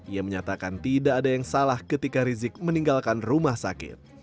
ia menyatakan tidak ada yang salah ketika rizik meninggalkan rumah sakit